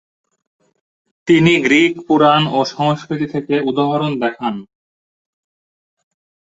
তিনি গ্রিক পুরাণ ও সংস্কৃতি থেকে উদাহরণ দেখান।